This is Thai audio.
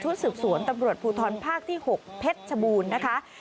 สืบสวนตำรวจภูทรภาคที่๖เพชรชบูรณ์นะคะ